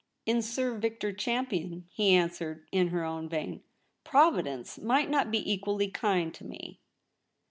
' In Sir Victor Champion,' he answered in her own vein. ' Providence might not be equally kind to me.'